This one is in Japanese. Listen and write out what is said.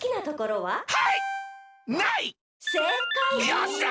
よっしゃ！